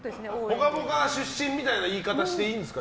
「ぽかぽか」出身みたいな言い方していいんですか？